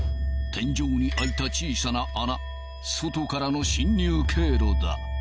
天井に開いた小さな穴外からの侵入経路だ